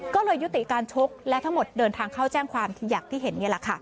ก็เลยยุติการชกและทั้งหมดเดินทางเข้าแจ้งความที่อย่างที่เห็นนี่แหละค่ะ